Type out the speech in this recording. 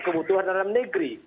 kebutuhan dalam negeri